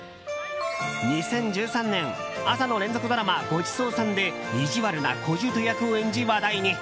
２０１３年、朝の連続ドラマ「ごちそうさん」で意地悪な小じゅうと役を演じ話題に。